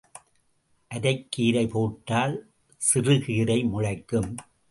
அரைக்கீரை போட்டால் சிறுகீரை முளைக்கும்.